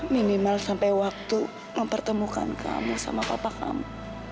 minimal sampai waktu mempertemukan kamu sama papa kamu